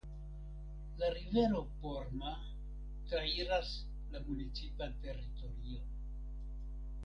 La rivero Porma trairas la municipan teritorion.